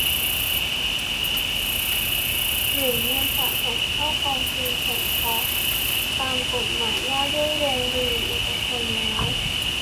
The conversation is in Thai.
หรือเงินสะสมเข้ากองทุนสงเคราะห์ตามกฎหมายว่าด้วยโรงเรียนเอกชนแล้ว